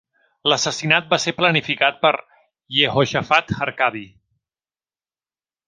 L'assassinat va ser planificat per Yehoshafat Harkabi.